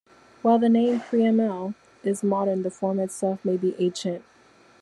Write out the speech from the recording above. While the name "priamel" is modern, the form itself may be ancient.